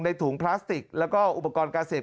ถุงพลาสติกแล้วก็อุปกรณ์การเสพ